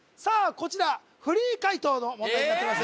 こちらフリー解答の問題になっています